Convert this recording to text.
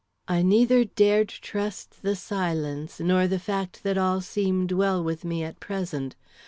I neither dared trust the silence nor the fact that all seemed well with me at present.